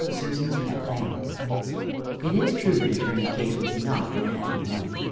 V SUSAN'S PET LAMB It is true that Attorney Case was not in a happy mood.